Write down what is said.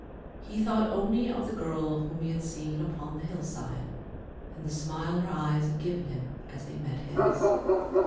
He thought only of the girl whom he had seen upon the hillside, and the smile her eyes had given him as they met his.